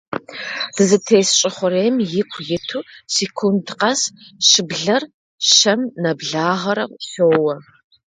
Дызытес Щӏы Хъурейм, ику иту, секунд къэс щыблэр щэм нэблагъэрэ щоуэ.